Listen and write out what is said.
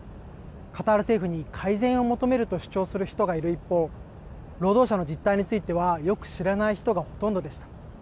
カタール政府に改善を求めると主張する人がいる一方、労働者の実態についてはよく知らない人がほとんどでした。